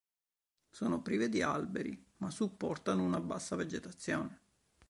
Sono prive di alberi ma supportano una bassa vegetazione.